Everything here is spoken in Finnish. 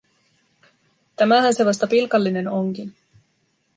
Tämähän se vasta pilkallinen onkin.